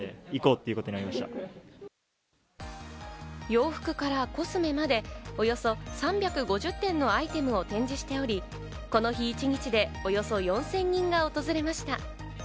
洋服からコスメまでおよそ３５０点のアイテムを展示しており、この日、一日でおよそ４０００人が訪れました。